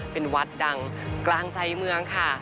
เป็นวัดดังกลางใจเมืองค่ะ